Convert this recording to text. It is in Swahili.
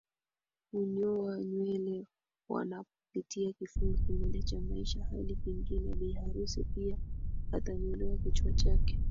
hunyoa nywele wanapopita kifungu kimoja cha maisha hadi kingine Bibiarusi pia atanyolewa kichwa chake